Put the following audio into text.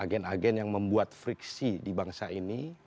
agen agen yang membuat friksi di bangsa ini